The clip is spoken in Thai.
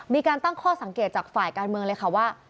มีการตั้งข้อสังเกตจากฝ่ายการเมืองเลยค่ะว่า